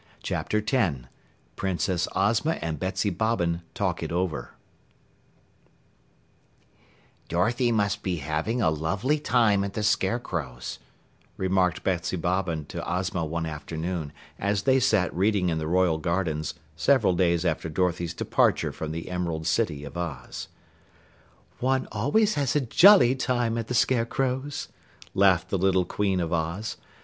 CHAPTER 10 PRINCESS OZMA AND BETSY BOBBIN TALK IT OVER "Dorothy must be having a lovely time at the Scarecrow's," remarked Betsy Bobbin to Ozma one afternoon as they sat reading in the Royal Gardens several days after Dorothy's departure from the Emerald City of Oz. "One always has a jolly time at the Scarecrow's," laughed the little Queen of Oz.